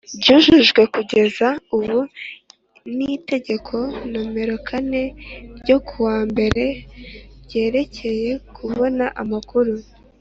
ryujujwe kugeza ubu n Itegeko Nomero kane ryo ku wa mbere ryerekeye kubona amakuru